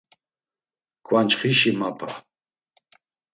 Ǩvançxişi mapa!